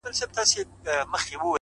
هره لاسته راوړنه له زحمت ځواک اخلي.!